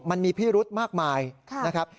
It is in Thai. มันมีพิรุธมากมายนะครับ